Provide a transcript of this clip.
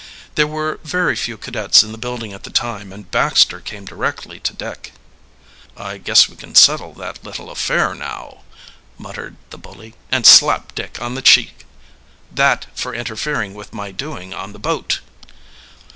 There were very few cadets in the building at the time, and Baxter came directly to Dick. "I guess we can settle that little affair now," muttered the bully, and slapped Dick on the cheek. "That for interfering with my doing on the boat."